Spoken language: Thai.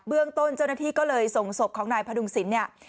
เรื่องต้นเจ้าหน้าที่ก็เลยส่งศพของนายพดุงศิลป์เนี่ย